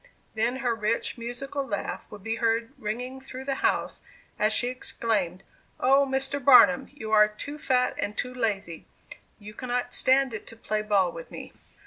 Then her rich, musical laugh would be heard ringing through the house, as she exclaimed, "Oh, Mr. Barnum, you are too fat and too lazy; you cannot stand it to play ball with me!"